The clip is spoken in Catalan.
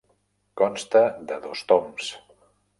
Consta de dos toms.